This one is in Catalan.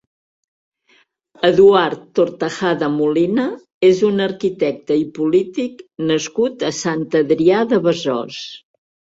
Eduard Tortajada Molina és un arquitecte i polític nascut a Sant Adrià de Besòs.